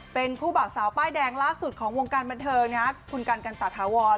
เป็นคู่บ่าวสาวป้ายแดงล่าสุดของวงการบันเทิงคุณกันกันตาถาวร